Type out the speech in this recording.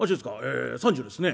え３０ですね」。